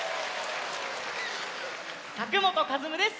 佐久本和夢です。